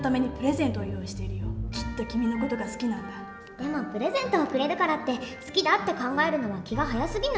でもプレゼントをくれるからって好きだって考えるのは気が早すぎない？